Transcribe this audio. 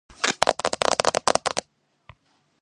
მშობლები: თამარ ასლანიშვილი, ვასილ ჩხენკელი.